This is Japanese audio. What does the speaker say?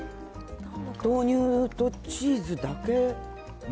豆乳とチーズだけ？